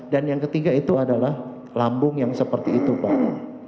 dan yang ketiga itu adalah lambung yang seperti itu pak